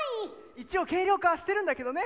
一応軽量化はしてるんだけどね。